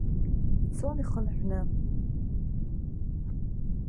Ицон ихынҳәны.